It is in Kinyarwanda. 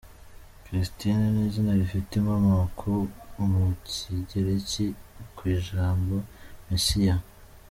Christine ni izina rifite inkomoko mu Kigereki ku ijambo “ Messiah” .